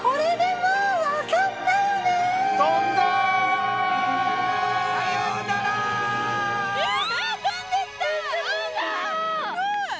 すごい！